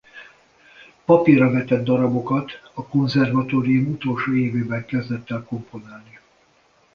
Papírra vetett darabokat a konzervatórium utolsó évében kezdett el komponálni.